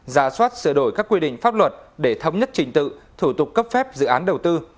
giả soát sửa đổi các quy định pháp luật để thống nhất trình tự thủ tục cấp phép dự án đầu tư